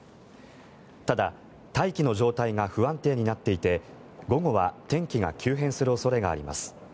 ただ、大気の状態が不安定になっていて午後は天気が急変する恐れがあります。